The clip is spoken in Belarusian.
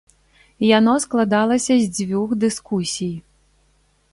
Яно складалася з дзвюх дыскусій.